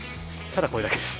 ただこれだけです。